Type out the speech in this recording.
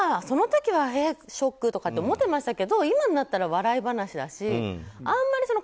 その時はショックって思ってましたけど今になったら笑い話だしあんまり